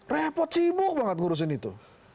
repot sibuk banget ngurusin itu